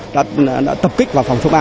đã tập kích vào phòng số ba